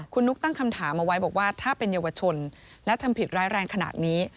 คุณนุ๊กตั้งคำถามเอาไว้บอกว่าถ้าเป็นเยาวชนและทำผิดร้ายแรงขนาดนี้